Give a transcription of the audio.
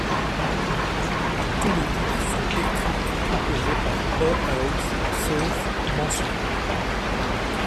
Tous les titres sont écrits et composés par Bauhaus sauf mentions.